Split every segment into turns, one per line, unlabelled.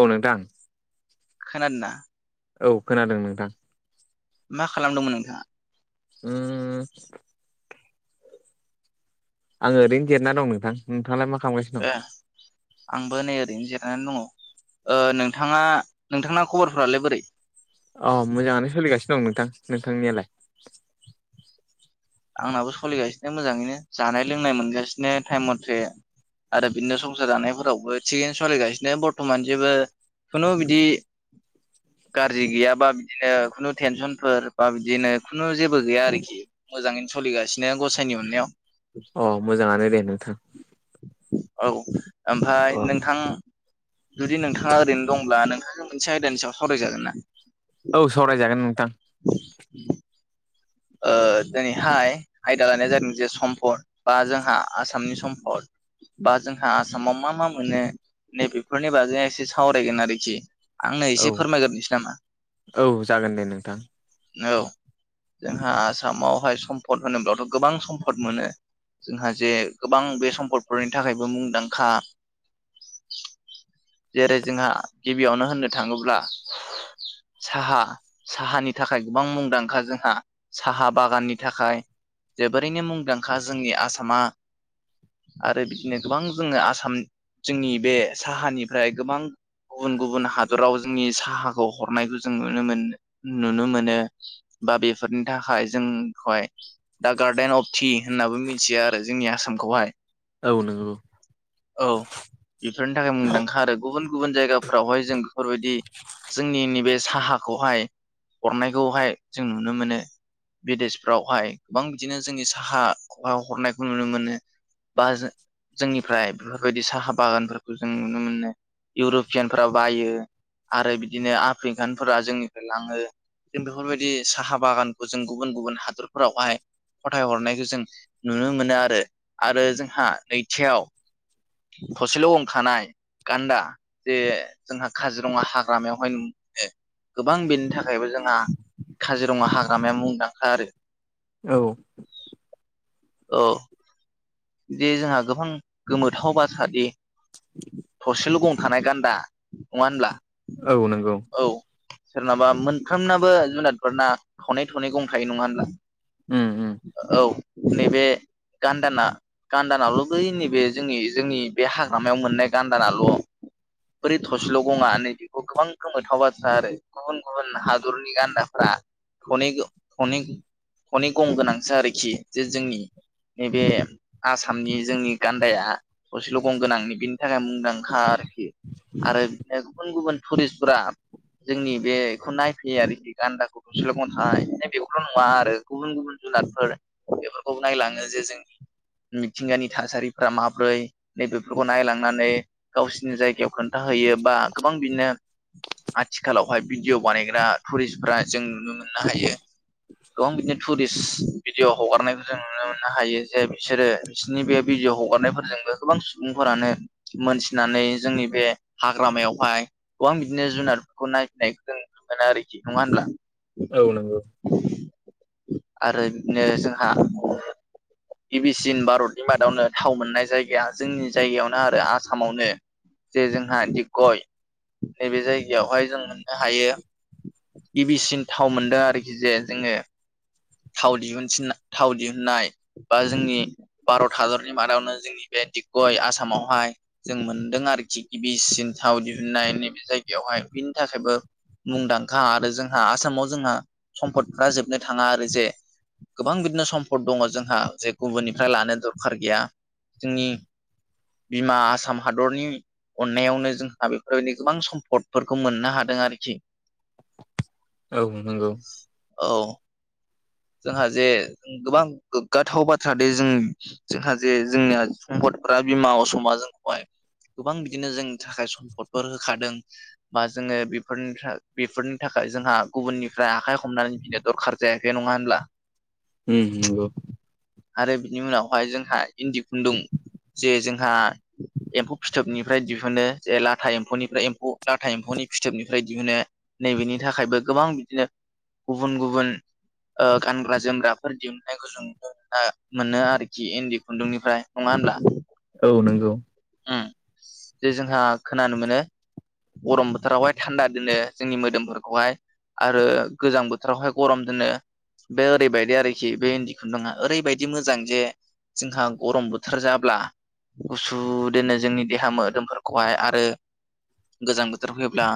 औ नोंथां
खोनादोंना
औ खोनादों नोंथां
मा खालामदोंमोन नोंथाङा
[unintelligible] आं ओरनो जेरना दं नोंथां नोंथांलाय मा खालामगासिनो
ए
दं?
आंबो नै ओरैनो जिरनानै दङ नोंथाङा नोंथां खबरफोरालै बोरै
औ मोजाङानो सोलिगासिनो दं नोंथां नोंथांनियालाय
आंनाबो सोलिगासिनो मोजाङैनो जानाय लोंनाय मोनगासिनो टाइम मथे आरो बिदिनो संसार जानायफोरावबो थिगैनो सोलिगासिनो बरथमान जेबो खुनु बिदि गाज्रि गैयाबा बिदिनो खुनु टेनसनफोर बा बिदिनो खुनु जेबो गैया आरोखि मोजाङैनो सोलिगासिनो गसाइनि अननायाव
अ मोजाङानो दे नोंथां
औ ओमफ्राय
अ
नोंथां जुदि नोंथाङा ओरैनो दंब्ला नोंथाङा मोनसे आयदानि सायाव सावरायजागोन ना?
औ सावरायजागोन नोंथां
ओ
औ
दिनैहाय आयदा लानाया जादों जे सम्पद बा जोंहा आसामनि सम्पद बा जोंहा आसामाव मा मा मोनो नैबेफोरनि बागै एसे सावरायगोन आरोखि। आंनो एसे
औ
फोरमायग्रोनसै नामा
औ जागोन दे नोंथां
[inaudible] औ जोंहा आसामावहाय सम्पद होनोब्लाथ' गोबां सम्फद मोनो जोंहा जे गोबां बे सम्पदफोरनि थाखायबो मुंदांखा जेरै जोंहा गिबियावनो होननो थाङोब्ला साहा साहानि थाखाय गोबां मुंदांखा जोंहा साहा बागाननि थाखाय जोबोरैनो मुंदांखा जोंनि आसामा आरो बिदिनो गोबां जोङो आसाम जोंनि बे साहानिफ्राय गोबां गुबुन गुबुन हादराव जोंनि साहाखौ हरनायखौ जों नुनो मोनो नुनो मोनो बा बेफोरनि थाखाय जोंखौहाय दा गार्डेन अफ टि होननाबो मिथिया आरो जोंनि आसामखौहाय
औ नंगौ
औ बेफोरनि थाखाय मुंदांखा आरो गुबुन गुबुन जायगाफोरावहाय जों बेफोरबायदि जोंनि नैबे साहाखौहाय हरनायखौहाय जों नुनो मोनो। बिदेशफ्रावहाय गोबां बिदिनो जोंनि साहाखौहाय हरनायखौ नुनो मोनो बा जोंनिफ्राय बेफोरबायदि साहा बागानफोरखौ जों नुनो मोनो इउरपियान फोराव बायो आरो बिदिनो आफ्रिकानफोरा जोंनिफ्राय लाङो जों बेफोरबायदि साहा बागानखौ जों गुबुन गुबुन हादरफोरावहाय फाथाय हरनायखौ जों नुनो मोनो आरो। आरो जोंहा नैथियाव थसेल' गं खानाय गान्दा जे जोंहा काजिरङा हाग्रामायावहाय [unintelligible] गोबां बेनि थाखाय थाखायबो जोंहा काजिरङा हाग्रामाया मुंदांखा आरो।
औ।
औ दे जोंहा गोबां गोमोथाव बाथ्रा दि थसेल' गं थानाय गान्दा नङा होनब्ला?
औ नंगौ।
औ सोरनाबा मोनफ्रोमनाबो जुनारफोरना थनै थनै गं थायो नङा होनब्ला?
उम उम
औ नैबे गान्दाना गान्दानाल' बै नैबे जोंनि जोंनि बे हाग्रामायाव मोननाय गान्दानाल' बोरै थसेल' गङा नै बेखौ गोबां गोमोथाव बाथ्रा आरो। गुबुन गुबुन हादरनि गान्दाफ्रा थनै थनै थनै गं गोनांसो आरोखि जे जोंनि नैबे आसामनि जोंनि गान्दाया थसेल' गंगोनांनि बिनि थाखाय मुंदांखा आरोखि। आरो बिदिनो गुबुन गुबुन टुरिस्टफोरा जोंनि बेखौ नायफैयो आरोखि गान्दाखौ। थसेल' गं थानाय बेखौल' नङा आरो गुबुन गुबुन जुनारफोर बेफोरखौ नायलाङो जे जोंनि मिथिंगानि थासारिफ्रा माब्रै नैबेफोरखौ नायलांनानै गावसिनि जायगायाव खोन्थाहैयो बा गोबां बिदिनो आथिखालावहाय भिडिअ बानायग्रा टुरिस्टफ्रा जों नुनो मोननो हायो। गोबां बिदिनो टुरिस्ट भिदिअ हगारनायखौ जों नुनो मोननो हायो जे बिसोरो बिसोरनि बे भिडिअ हगारनायफोरजोंबो गोबां सुबुंफोरानो मोनथिनानै जोंनि बे हाग्रामायावहाय गोबां बिदिनो जुनारफोरखौ नायफैनायखौ नुनो मोनो आरोखि नङा होनब्ला?
औ नोंगौ।
आरो बिदिनो जोंहा गिबिसिन भा रतनि मादावनो थाव मोननाय जायगाया जोंनि जायगायावनो आरो आसामावनो। जे जोंहा दिगबय नैबे जायगायावहाय जों मोननो हायो। गिबिसिन थाव मोनदो आरोखि जे जोङो थाव दिहुनसिन थाव दिहुननाय बा जोंनि भारत हादरनि मादावनो जोंनि बे दिगबय आसामावहाय जों मोनदों आरोखि गिबिसिन थाव दिहुनन्नाय नैबे जायगायावहाय बिनि थाखायबो मुंदांखा आरो जोंहा आसामाव जोंहा सम्पदफ्रा जोबनो थाङा आ जे गोबां बिदिनो सम्पद दङ जोंहा जे गुबुननिफ्राय लानो दरखार गैया। जोंनि बिमा आसाम हादरनि अननायावनो जोंहा बेफोरबायदि गोबां सम्पदफोरखौ मोननो हादों आरोखि। [inaudible]
औ नंगौ।
औ। जोंहा जे गोबां गोग्गाथाव बाथ्रा दे जों जोंहा जे जोंनिया सम्पदफ्रा बिमा असमा जोंखौहाय गोबां बिदिनो जोंनि थाखाय सम्पदफोर होखादों बा जोङो बेफोरनिफ्रा बेफोरनि थाखाय जोंहा गुबुननिफ्राय आखाइ हमनानै बिनो दरखार जायाखै नङा होमब्ला
उम नोंगौ
आरो बिनि उनावहाय जोंहा इन्दि खुन्दुं जे जोंहा एम्फौ फिथोबनिफ्राय दिहुनो जे लाथा एम्फौनिफ्राय एमफौ लाथा एम्फौनि फिथोबनिफ्राय दिहुनो नैबेनि थाखायबो गोबां बिदिनो गुबुन गुबुन ओ गानग्रा जोमग्राफोर दिहुननायखौ जों नुनो आ मोनो आरोखि इन्दि खुन्दुंनिफ्राय नङा होनब्ला
औ नोंगौ
उम जे जोंहा खोनानो मोनो गरम बोथोरावहाय थान्दा दोनो जोंनि मोदोमफोरखौहाय आरो गोजां बोथोरावहाय गरम दोनो बे ओरैबायदि आरोखि बे इन्दि खुन्दुंआ ओरैबायदि मोजां जे जोंहा गरम बोथोर जाब्ला गुसु दोनो जोंनि देहा मोदोमफोरखौहाय आरो गोजां बोथोर फैयोब्ला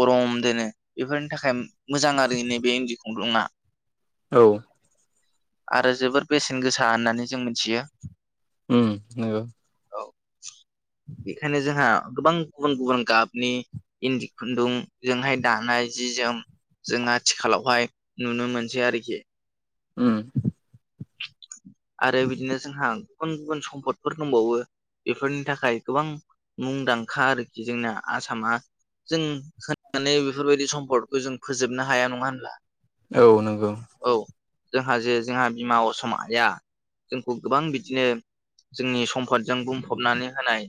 गरम दोनो बेफोरनि थाखाय मोजां आरो नैबे इन्दि खुन्दुङा
औ
आरो जोबोर बेसेन गोसा होननानै जों मोनथियो
उम नोंगौ
बेखायनो जोंहा गोबां गुबुन गुबुन गाबनि इन्दि खुन्दुंजोंहाय दानाय जि जोम जों आथिखालावहाय नुनो मोनसै आरोखि
ओम
आरो बिदिनो जोंहा गुबुन गुबुन सम्फदफोर दंबावो बेफोरनि थाखाय गोबां मुंदांखा आरोखि जोंना आसामा जों होनानै बेफोरबायदि सम्पदखौ जों फोजोबनो हाया नङा होनब्ला?
औ नोंगौ
औ जोंहा जे जोंहा बिमा असम आइआ जोंखौ गोबां बिदिनो जोंनि सम्पदजों बुंफबनानै होनाय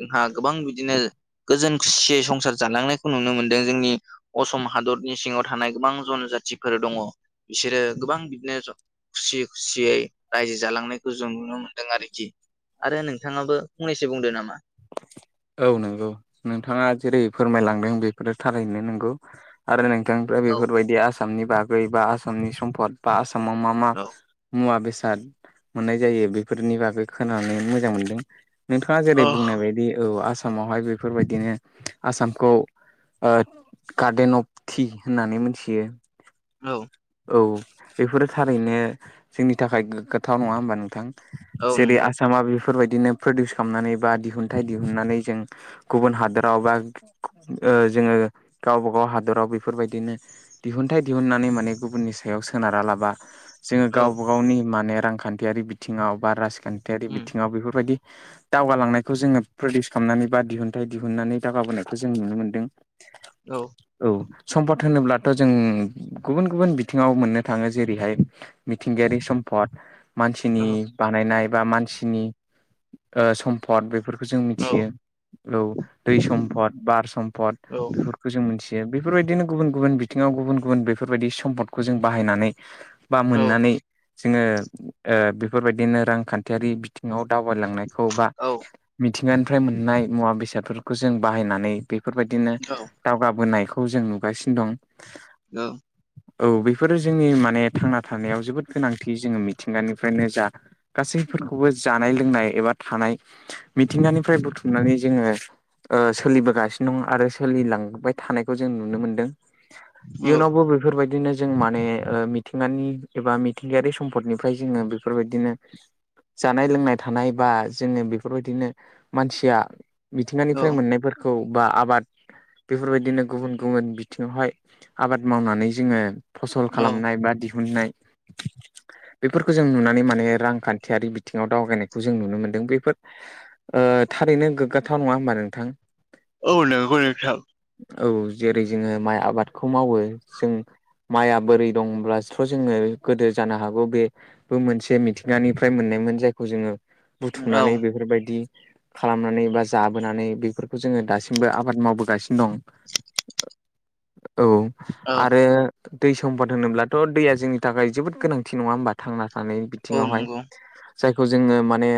जोंहा गोबां बिदिनो गोजोन खुसियै संसार जालांनायखौ नुनो मोनदों जोंनि असम हादरनि सिङाव थानाय गोबां जन'जातिफोर दङ बिसोरो गोबां बिदिनो जन खुसि खुसियै रायजो जालांनायखौ जों नुनो मोनदों आरोखि आरो नोंथाङाबो फंनैसो बुंदो नामा
औ नोंगौ नोंथाङा जेरै फोरमायलांदों बेफोरो थारैनो नोंगौ आरो नों थांनिफ्राय
औ
बेफोरबायदि आसामनि बागै बा आसामनि सम्फद बा आसामाव मा मा
औ
मुवा बेसाद मोननाय जायो बेफोरनि बागै खोनानानै मोजां मोनदों। नोंथाङा जेरै
औ
बुंनाय बायदि औ आसामावहाय बेफोरबायदिनो आसामखौ ओथ गार्डेन अफ टि होननानै मोनथियो।
औ।
औ बेफोरो थारैनो जोंनि थाखाय गोग्गाथाव नङा होमबा नोंथां?
औ
जेरै
नंगौ
आसामा बेफोरबायदिनो प्रदिउस खालामनानै बा दिहुनथाइ दिहुन्नानै जों गुबुन हादराव बा ओ जोङो गावबागाव हादराव बेफोरबायदिनो दिहुनथाइ दिहुननानै माने गुबुननि सायाव सोनारा लाबा जोङो
औ
गावबा गावनि माने रांखान्थियारि बिथिङाव बा राजखान थायारि
उम
बिथिङाव बेफोरबायदि दावगालांनायखौ जोङो प्रदिउस खालामनानै बा दिहुनथाइ दिहुननानै दावगाबोनायखौ जों नुनो मोन्दों।
औ
औ सम्पद होनोब्लाथ' जों गुबुन गुबुन बिथिङाव मोननो थाङो जेरैहाय मिथिंगायारि सम्फद
औ
मानसिनि बानायनाय बा मानसिनि ओ सम्फद बेफोरखौ जों
औ
मिथियो। औ दै सम्पद बार सम्फद
औ
बेफोरखौ जों मोनथियो बेफोरबायदिनो गुबुन-गुबुन बिथिङाव गुबुन-गुबुन बेफोरबायदि सम्पदखौ जों बाहायनानै, बा
औ
मोननानै जोङो ओ बेफोरबायदिनो रांखान्थियारि बि थिङाव दावबायलांनायखौ बा
औ
मिथिंगानिफ्राय मोननाय मुवा बेसादफोरखौ जों बाहायनानै बेफोरबायदिनो दावगाबोनायखौ जों नुगासिनो दं।
औ।
औ बेफोरो जोंनि माने थांना थानायाव जोबोद गोनांथि जोङो मिथिंगानिफ्रायनो जा गासैफोरखौबो जानाय लोंनाय एबा थानाय मिथिंगानिफ्राय बुथुमनानै जोङो ओ सोलिबोगासिनो दं आरो सोलिलांबाय थानायखौ जों नुनो मोनदों। इयुनावबो बे फोरबायदिनो जों माने ओ मिथिंगानि एबा मिथिंगायारि सम्पदनिफ्राय जोङो बेफोरबायदिनो जानाय लोंनाय थानाय बा जोङो बेफोरबायदिनो मानसिया मिथिंगानिफ्राय मोननायफोर खौ बा आबाद बेफोरबायदिनो गुबुन गुबुन बिथिङावहाय आबाद मावनानै जोङो फसल
औ
खालामनाय बा दिहुननाय
[inaudible]
बेफोरखौ जों नुनानै माने रांखान्थियारि बिथिङाव दावगायनायखौ जों नुनो मोन्दों बेफोर ओ थारैनो गोग्गाथाव नङा होमबा नोंथां?
औ नोंगौ नोंथां।
औ जेरै जोङो माइ आबादखौ मावो जों माइआ बोरै दंब्लाथ' जोङो गोदो जानो हागौ बे बो मोनसे मिथिंगानिफ्राय मोननायमोन जायखौ जोङो बुथुमनानै
औ
बेफोरबायदि खालामनानै बा जाबोनानै बेफोरखौ जोङो दासिमबो आबाद मावबोगासिनो दं।
[inaudible]
औ
औ
आ रो दै सम्पद होनोब्लाथ' दैया जोंनि थाखाय जोबोद गोनांथि नङा होमबा थांना थानाय
औ
बिथिङावहाय?
नंगौ
जायखौ जोङो माने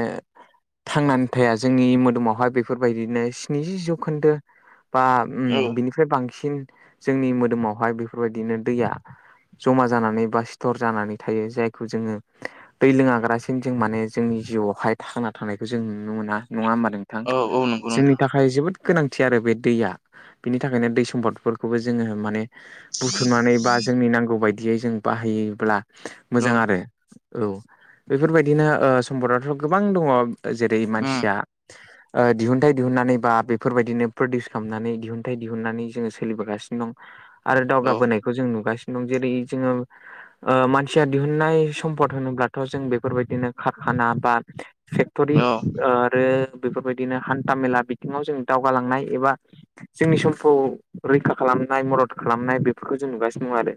थांनानै थाया जोंनि मोदोमावहाय बेफोरबायदिनो स्निजि जौखोन्दो बा उम
औ
बिनिफ्राय बांसिन जोंनि मोदोमावहाय बेफोरबायदिनो दैया जमा जानानै बा सिथर जानानै थायो। जायखौ जोङो दै लोङागारासिम जों माने जोंनि जिउआवहाय थांना थानायांनायखौ जों नुनो मोना नङा होमबा नों थां?
औ औ नंगौ
जोंनि
नोंथां
था खाय जोबोद गोनांथि आरो बे दैया। बिनि थाखायनो दै सम्पदफोरखौबो जोङो माने बुथुमनानै बा जोंनि नांगौ बायदियै जों बाहायोब्ला
औ
मोजां आरो। औ बेफोरबायदिनो ओ सम्पदआथ' गोबां दङ, जेरै
उम
मानसिया ओ दिहुनथाइ दिहुनन्नानै बा बेफोरबायदिनो प्रदिउस खालामनानै दिहुनथाइ दिहुननानै जोङो सोलिबोगासिनो दं। आरो
औ
दावगाबोनायखौ जों नुगासिनो दं। जेरै जोङो ओ मानसिया दिहुननाय सम्फद होनोब्लाथ' जों बेफोरबायदिनो खारखाना बा फेक्ट'रि
औ
आरो बेफोरबायदिनो हान्था मेला बिथिङाव जों दावगालांनाय एबा जोंनि समखौ रैखा खालामनाय मदद खालामनाय बे बेखौ जों नुगासिनो दङ आरो,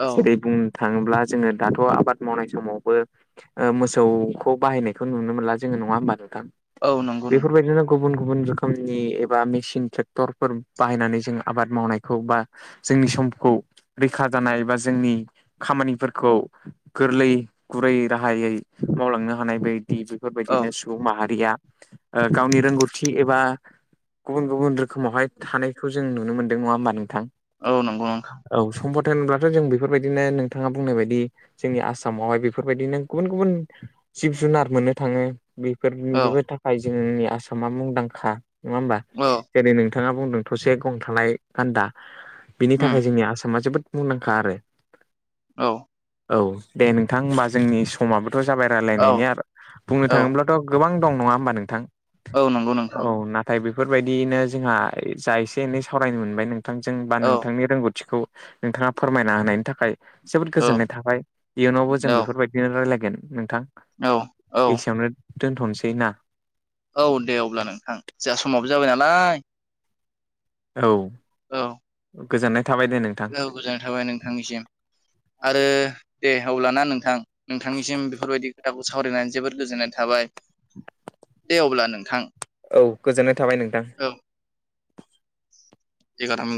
औ
जेरै बुं नोथाङोब्ला जोङो दाथ' आबाद मावनाय समावबो ओ मोसौखौ बाहायनायखौ नुनो मोनला जोङो नङा होमबा नोंथां?
औ नंगौ नोंथां
बेफोरबायदिनो गुबुन गुबुन रोखोमनि एबा मेसिन ट्रेक्टरफोर बाहायनानै जों आबाद मावनायखौ बा जोंनि समखौ रैखा जानाय बा जोंनि खामानिफोरखौ गोरलै गुरै राहायै मावलांनो हानाय बायदि
औ
बेफोरबायदिनो सुबुं माहारिया ओ गावनि रोंगौथि एबा गुबुन गुबुन रोखोमावहाय थानायखौ जों नुनो मोन्दों नङा होमबा नोंथां?
औ नंगौ नोंथां।
औ सम्पत होनब्लाथ' जों बेफोरबायदिनो नोंथाङा बुंनाय बायदि जोंनि आसामावहाय बेफोरबायदिनो गुबुन गुबुन जिब जुनार मोननो थाङो
औ
बेफोरनिबो थाखाय जोंनि आसामा मुंदांखा नङा होमबा
औ
जेरै नोंथाङा बुंदों थसे गंथालाय गान्दा बिनि
उम
थाखाय जोंनि आसामा जोबोद मुंदांखा आरो
औ
औ दे नोंथां होमबा जोंनि समाबोथ' जाबाय
औ
रायलायनायनि आरो बुंनो
औ
थाङोब्ला गोबां दं नङा होमबा नोंथां
औ नंगौ नोंथां
औ न नाथाय बेफोरबायदियैनो जोंहा जा एसे एनै सावरायनो मोनबाय नोंथांजों बा
औ
नों ननि रोंगौथिखौ नोंथाङा फोरमायना होनायनि थाखाय जोबोद
औ
गोजोननाय थाबाय इयुनावबो
औ
जों बेफोरबायदिनो रायलायगोन नोंथां
औ औ
एसेयावनो दोन्थ'नोसै ना
औ दे अब्ला नोंथां जोंहा समावबो जाबाय नालाय
औ
औ
गोजोननाय थाबाय दे नों
गो गोजोननाय थाबाय नोंथांनिसिम आरो दे हब्लाना नोंथां नोंथांनिसिम बेफोरबायदि खोथाखौ सावरायनानै जोबोद गोजोननाय थाबाय दे अब्ला नोंथां
औ गोजोननाय थाबाय नोंथां
औ बिगाथाम